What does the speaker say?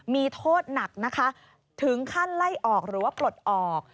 มีโทษหนักนะคะถึงขั้นไล่ออกหรือว่าปลดออก